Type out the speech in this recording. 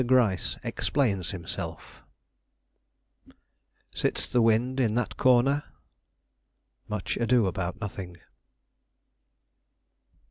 GRYCE EXPLAINS HIMSELF "Sits the wind in that corner?" Much Ado about Nothing.